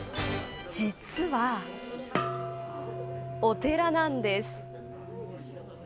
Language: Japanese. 実はお寺なんです。